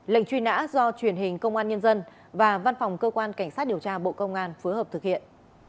lệnh truy nã do truyền hình công an nhân dân và văn phòng cơ quan cảnh sát điều tra bộ công an phối hợp thực hiện